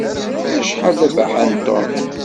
Acḥal d abaḥan Tom!